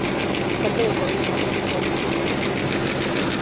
Es alto, de cabello moreno y corto, y siempre usa lentes de sol.